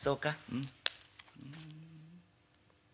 うん」。